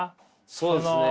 そうですね。